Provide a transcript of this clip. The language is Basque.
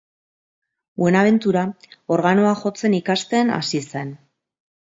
Buenaventura organoa jotzen ikasten hasi zen.